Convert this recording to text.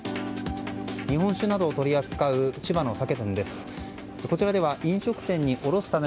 日本酒などを取り扱う千葉の酒店です。